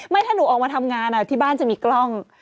ไหนถ้าหนูออกมาทำงานอ่ะที่บ้านจะมีกร่อง